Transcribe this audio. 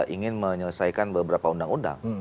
ingin menyelesaikan beberapa undang undang